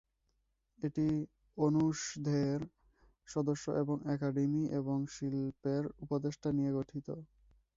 এটি অনুষদের সদস্য এবং একাডেমী এবং শিল্পের উপদেষ্টা নিয়ে গঠিত।